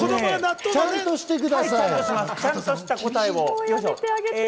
ちゃんとしてください。